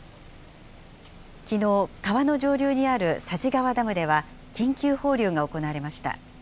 きのう、川の上流にある佐治川ダムでは、緊急放流が行われました。